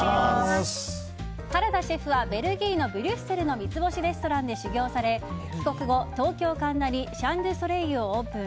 原田シェフはベルギーのブリュッセルの三つ星レストランで修業され帰国後、東京・神田にシャン・ドゥ・ソレイユをオープン。